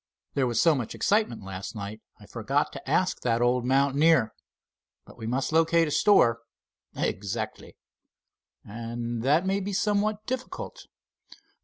"There was so much excitement last night I forgot to ask that old mountaineer. But we must locate a store." "Exactly." "And that may be somewhat difficult."